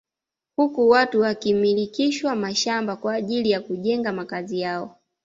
Huku watu wakimilikishwa mashamba kwa ajili ya kujenga makazi yao